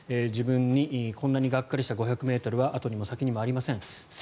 自分にこんなにがっかりした５００ｍは後にも先にもありません